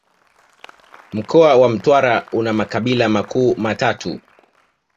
Mkoa wa Mtwara una makabila makuu matatu